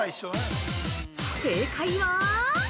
正解は？